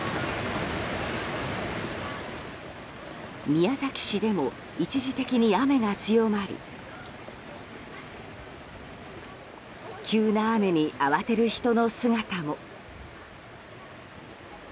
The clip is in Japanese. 宮崎市でも一時的に雨が強まり急な雨に慌てる人の姿も。